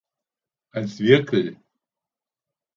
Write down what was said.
Als Wirkl.